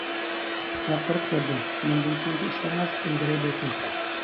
ياقتۇرۇپ كۆردۈم، مۇندىن كېيىنكى ئىشلىرىڭىز ئىلگىرى بولسۇن!